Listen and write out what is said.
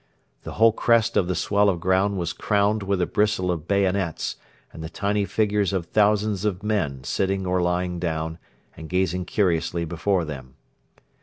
The whole crest of the swell of ground was crowned with a bristle of bayonets and the tiny figures of thousands of men sitting or lying down and gazing curiously before them.